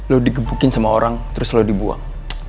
lo dikebukin sama orang terus lo dibuang